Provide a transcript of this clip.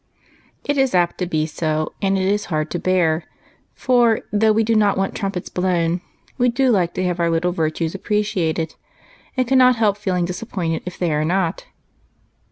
It is apt to be so, and it is hard to bear ; for, though we do not want trumpets blown, we do like to have our little virtues appreciated, and cannot help feeling disappointed if they are not.